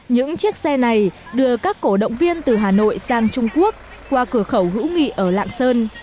những chiếc xe này đưa các cổ động viên từ hà nội sang trung quốc qua cửa khẩu hữu nghị ở lạng sơn